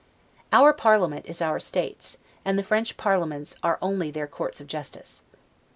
Our parliament is our states, and the French parliaments are only their courts of justice.